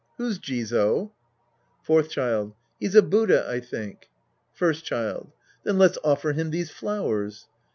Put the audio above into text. Who's Jizo ? Fourth Child. He's a Buddha, I think. First Child. Then let's offer him these flowers.